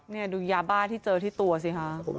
นี่ดูยาบ้าที่เจอที่ตัวสิคะ